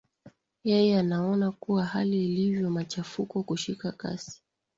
yeye anaona kuwa hali ilivyo machafuko kushika kasi